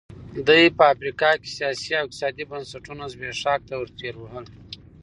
دې په افریقا کې سیاسي او اقتصادي بنسټونه زبېښاک ته ورټېل وهل.